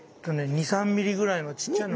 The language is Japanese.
２３ｍｍぐらいのちっちゃな虫。